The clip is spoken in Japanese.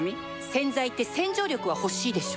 洗剤って洗浄力は欲しいでしょ